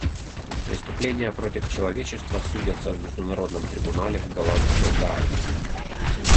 Преступления против человечества судятся в Международном трибунале в голландской Гааге.